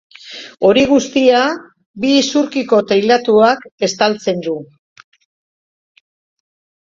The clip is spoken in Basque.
Hori guztia bi isurkiko teilatuak estaltzen du.